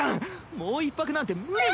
もう一泊なんて無理に。